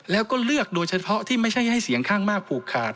แล้วก็เลือกโดยเฉพาะที่ไม่ใช่ให้เสียงข้างมากผูกขาด